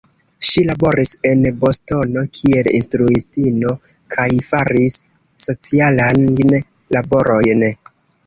Ŝi laboris en Bostono kiel instruistino kaj faris socialajn laborojn.